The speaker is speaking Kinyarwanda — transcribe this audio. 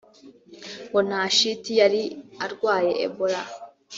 ngo nta shiti yari arwaye Ebola